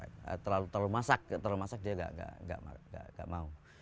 terlalu masak dia tidak mau